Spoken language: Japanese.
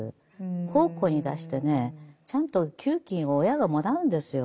奉公に出してねちゃんと給金を親がもらうんですよ。